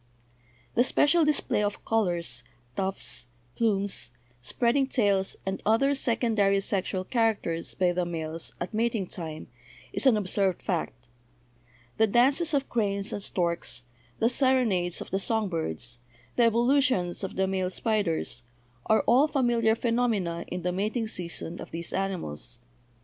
"The special display of colors, tufts, plumes, spreading tails, and other secondary sexual characters by the males at mating time is an observed fact ; the 'dances' of cranes and storks, the serenades of the song birds, the evolutions of the male spiders, are all familiar phenomena in the mating season of these animals.